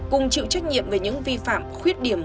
cùng chịu trách nhiệm về những vi phạm khuyết điểm